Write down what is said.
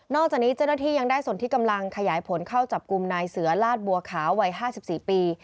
จากนี้เจ้าหน้าที่ยังได้ส่วนที่กำลังขยายผลเข้าจับกลุ่มนายเสือลาดบัวขาววัย๕๔ปี